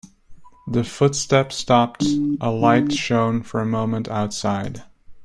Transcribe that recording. The footsteps stopped, a light shone for a moment outside.